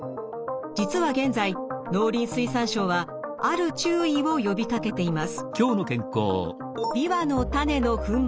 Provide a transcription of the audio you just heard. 実は現在農林水産省はある注意を呼びかけています。